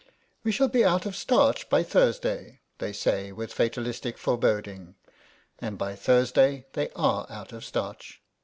"We shall be out of starch by Thursday," they say with fatalistic fore boding, and by Thursday they are out of starch.